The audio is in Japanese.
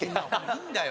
いいんだよ。